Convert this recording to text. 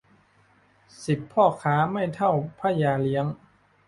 สิบพ่อค้าไม่เท่าพระยาเลี้ยง